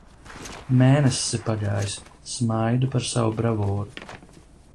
Mēnesis ir pagājis. Smaidu par savu bravūru.